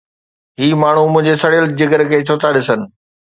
هي ماڻهو منهنجي سڙيل جگر کي ڇو ٿا ڏسن؟